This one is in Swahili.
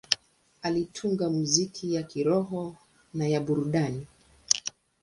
Alitunga muziki ya kiroho na ya burudani.